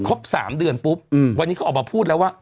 ครบ๓เดือนปุ๊บวันนี้เขาออกมาพูดแล้วว่า